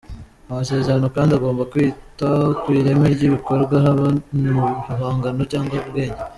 Amasezerano kandi agomba kwita ku ireme ry’ibikorwa haba mu bihangano cyangwa ubwenge.